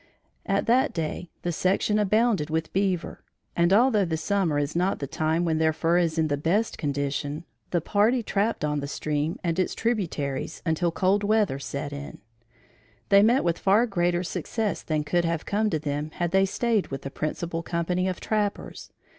At that day, the section abounded with beaver, and although the summer is not the time when their fur is in the best condition, the party trapped on the stream and its tributaries until cold weather set in. They met with far greater success than could have come to them had they stayed with the principal company of trappers.